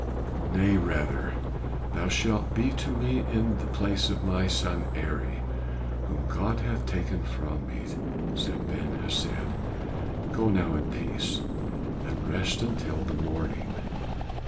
"Nay, rather, thou shalt be to me in the place of my son Eri, whom God hath taken from me," said Ben Hesed. "Go now in peace, and rest until the morning."